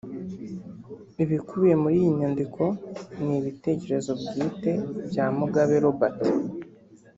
Ibikubiye muri iyi nyandiko ni ibitekerezo bwite bya Mugabe Robert